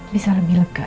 bisa lebih lega